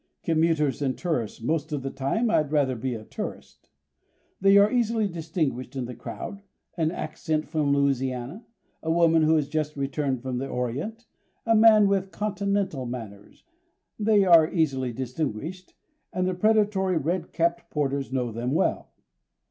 Commuters and tourists, most of the time I'd rather be a tourist. They are easily distinguished in the crowd, an accent from Louisiana, a woman who has just returned from the Orient, a man with continental manners, they are easily distinguished, and the predatory red capped porters know them well.